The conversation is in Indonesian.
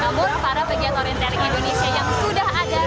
namun para bagian orienteering indonesia yang sudah ada